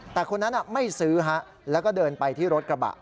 แต่คนนั้นไม่ซื้อแล้วก็เดินไปที่รถกระบะ